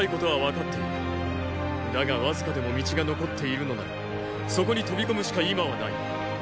だがわずかでも道が残っているのならそこに飛び込むしか今はない。